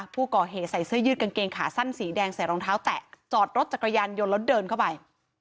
ผู้ก่อเหตุใส่เสื้อยืดกางเกงขาสั้นสีแดงใส่รองเท้าแตะจอดรถจักรยานยนต์แล้วเดินเข้าไป